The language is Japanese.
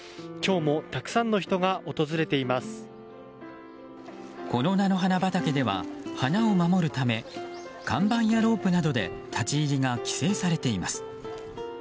今日もたくさんの人がこの菜の花畑では花を守るため看板やロープなどで立ち入りが規制されています。